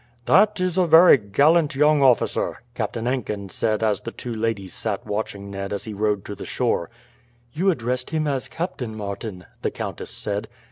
"That is a very gallant young officer," Captain Enkin said as the two ladies sat watching Ned as he rowed to the shore. "You addressed him as Captain Martin?" the countess said.